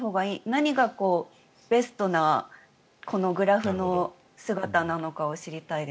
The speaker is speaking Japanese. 何がベストなこのグラフの姿なのかを知りたいです。